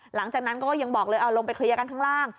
หลังจากนั้นก็ยังบอกเลยเอาลงไปเคลียร์กันข้างล่าง